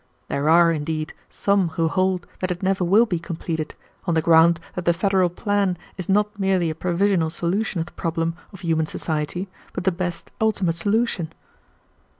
There are, indeed, some who hold that it never will be completed, on the ground that the federal plan is not merely a provisional solution of the problem of human society, but the best ultimate solution."